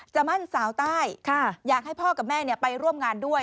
มั่นสาวใต้อยากให้พ่อกับแม่ไปร่วมงานด้วย